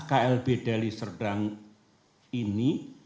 klb delhi serdang ini